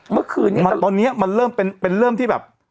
เมื่อคืนนี้ตอนนี้มันเริ่มเป็นเริ่มที่แบบ